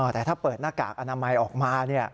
แต่ถ้าเปิดหน้ากากอนามัยออกมา